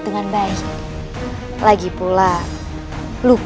jangan cebaskan aku